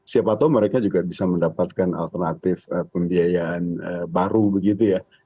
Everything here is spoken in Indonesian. siapa tahu mereka juga bisa mendapatkan alternatif pembiayaan baru begitu ya